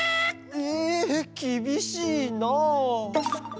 ええきびしいなあ。